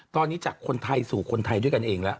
ตอนนี้จากคนไทยสู่คนไทยด้วยกันเองแล้ว